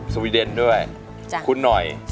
สวัสดีครับคุณหน่อย